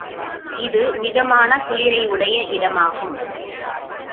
இது மிதமான குளிரையுடைய இடமாகும்.